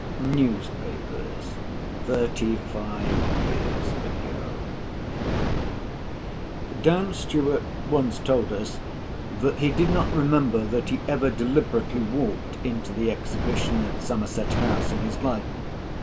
NEWSPAPERS THIRTY FIVE YEARS AGO Dan Stuart once told us, that he did not remember that he ever deliberately walked into the Exhibition at Somerset House in his life.